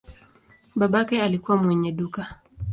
Babake alikuwa mwenye duka.